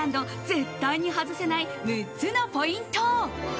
絶対に外せない６つのポイント。